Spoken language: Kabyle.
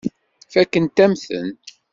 Fakkent-am-ten.